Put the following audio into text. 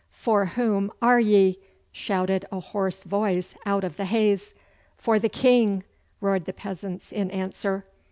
'For whom are ye?' shouted a hoarse voice out of the haze. 'For the King!' roared the peasants in answer.